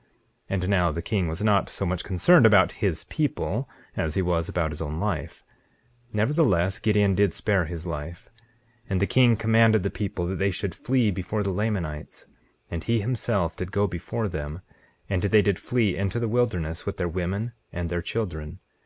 19:8 And now the king was not so much concerned about his people as he was about his own life; nevertheless, Gideon did spare his life. 19:9 And the king commanded the people that they should flee before the Lamanites, and he himself did go before them, and they did flee into the wilderness, with their women and their children.